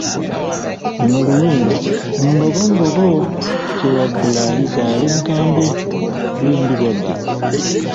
Luno luyimba ‘Mbogo mbogo kyewaggula erizaala enkambwe’ luyimbibwa ddi?